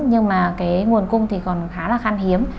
nhưng mà cái nguồn cung thì còn khá là khăn hiếm